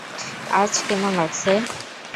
আজ কেমন লাগছে?